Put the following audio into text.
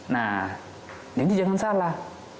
nah ini jangan salah